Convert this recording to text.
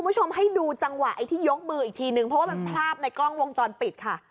คุณผู้ชมให้ดูจังหวะไอ้ที่ยกมืออีกทีนึงเพราะว่ามันภาพในกล้องวงจรปิดค่ะ